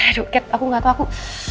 aduh kat aku nggak tau